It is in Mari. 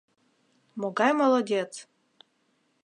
Могай молодец!..